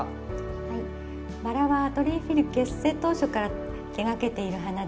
はいばらはアトリエＦｉｌ結成当初から手がけている花です。